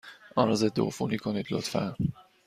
آن را ضدعفونی کنید، لطفا.